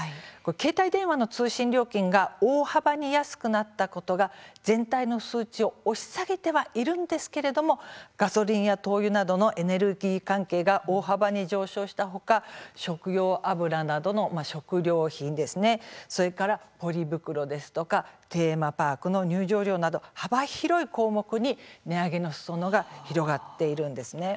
携帯電話の通信料金が大幅に安くなったことが全体の数値を押し下げてはいるんですがガソリンや灯油などのエネルギー関係が大幅に上昇したほか食用油などの食料品それからポリ袋ですとかテーマパークの入場料など幅広い項目に値上げのすそ野が広がっているんです。